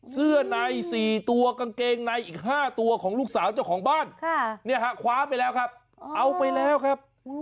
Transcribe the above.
เสื้อใน๔ตัวกางเกงในอีก๕ตัวของลูกสาวเจ้าของบ้านคว้าไปแล้วครับเอาไปแล้วครับ